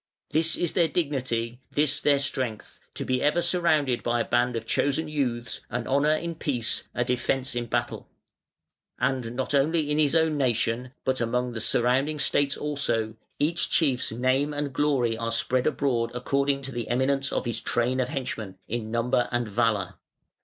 This is their dignity, this their strength, to be ever surrounded by a band of chosen youths, an honour in peace, a defence in battle. And not only in his own nation, but among the surrounding states also, each chief's name and glory are spread abroad according to the eminence of his 'train of henchmen' in number and valour.